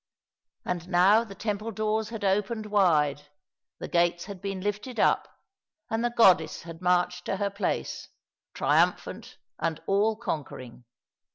And now the temple doors had opened wide, the gates had been lifted up, and the goddess had marched to her place, triumphant and all conquering.